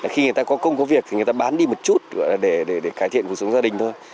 khi người ta có công có việc thì người ta bán đi một chút để cải thiện cuộc sống gia đình thôi